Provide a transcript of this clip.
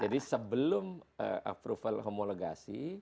jadi sebelum approval homologasi